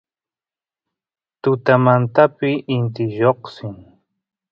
tutamantapi inti lloqsin